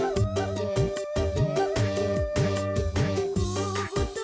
di dalam sepatu